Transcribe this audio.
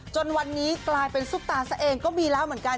จนวันนี้กลายเป็นซุปตาซะเองก็มีแล้วเหมือนกัน